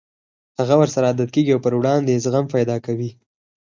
هغه ورسره عادت کېږي او پر وړاندې يې زغم پيدا کوي.